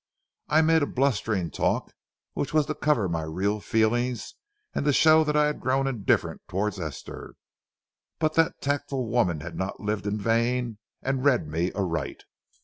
I made a blustering talk which was to cover my real feelings and to show that I had grown indifferent toward Esther, but that tactful woman had not lived in vain, and read me aright.